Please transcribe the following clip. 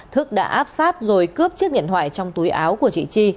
thức đã áp sát rồi cướp chiếc điện thoại trong túi áo của chị chi